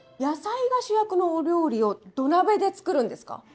野菜が主役のお料理を土鍋で作るんですか？